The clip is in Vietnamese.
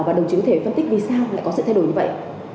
và đồng chí có thể phân tích vì sao lại có sự thay đổi như vậy